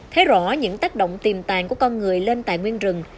thấy rõ những tác động tiềm tàn của con người lên tại nguyên rừng